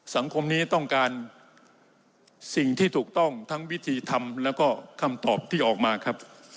สังคมนี้ต้องการสิ่งที่ถูกต้องทั้งวิธีทำแล้วก็คำตอบที่ออกมาครับ